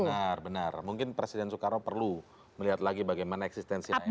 benar benar mungkin presiden soekarno perlu melihat lagi bagaimana eksistensi hmi sekarang